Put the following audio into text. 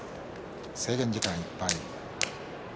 制限時間いっぱいです。